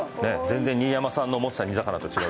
全然新山さんの思ってた煮魚と違うでしょ？